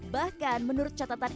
bahkan menurut catatan